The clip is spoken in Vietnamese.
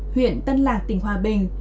huyện tân lạc tỉnh hòa bình